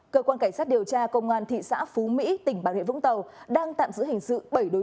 cơ quan cảnh sát điều tra công an thị xã phú mỹ tỉnh bạc hệ vũng tàu đang tạm giữ hình sự bảy đối